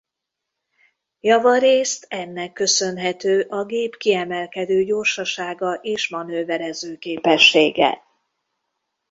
Javarészt ennek köszönhető a gép kiemelkedő gyorsasága és manőverezőképessége.